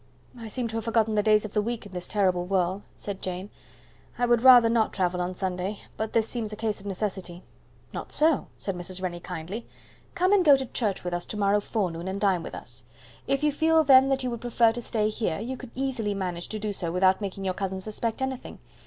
"I seem to have forgotten the days of the week in this terrible whirl," said Jane. "I would rather not travel on Sunday, but this seems a case of necessity." "Not so," said Mrs. Rennie, kindly. "Come and go to church with us to morrow forenoon, and dine with us; if you feel then that you would prefer to stay here, you can easily manage to do so without making your cousin suspect anything.